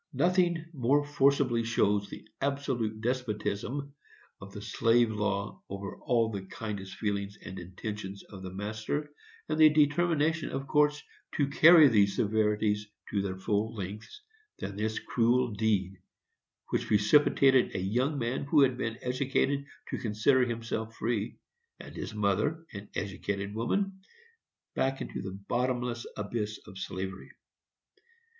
Nothing more forcibly shows the absolute despotism of the slave law over all the kindest feelings and intentions of the master, and the determination of courts to carry these severities to their full lengths, than this cruel deed, which precipitated a young man who had been educated to consider himself free, and his mother, an educated woman, back into the bottomless abyss of slavery.